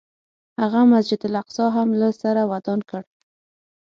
هغه مسجد الاقصی هم له سره ودان کړ.